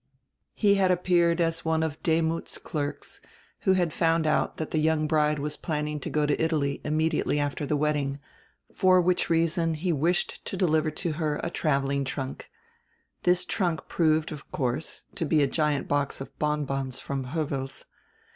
He had appeared as one of Demuth's clerks, who had found out that the young bride was planning to go to Italy immediately after the wedding, for which reason he wished to deliver to her a traveling trunk. This trunk proved, of course, to be a giant box of bonbons from Hovel's.